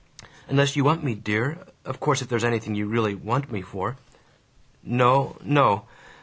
Unless you want me, dear? Of course if there's anything you really WANT me for?" "No. No.